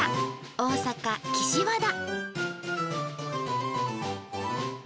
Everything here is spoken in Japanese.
大阪岸和田。